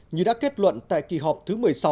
như đã kết luận tại kỳ họp thứ một mươi sáu